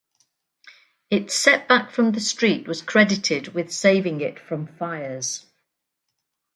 Its setback from the street was credited with saving it from fires.